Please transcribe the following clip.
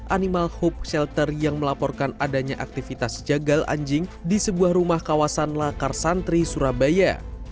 animal hope shelter yang melaporkan adanya aktivitas jagal anjing di sebuah rumah kawasan lakar santri surabaya